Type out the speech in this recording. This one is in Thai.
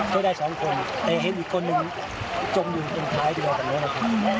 ช่วยได้๒คนแต่เห็นอีกคนนึงจมอยู่ตรงท้ายดีกว่าแบบนั้นนะค่ะ